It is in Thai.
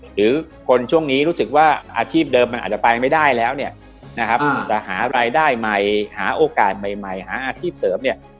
หรือคนช่วงนี้รู้สึกว่าอาชีพเดิมมันอาจจะไปไม่ได้แล้วเนี่ยนะครับจะหารายได้ใหม่หาโอกาสใหม่หาอาชีพเสริมเนี่ย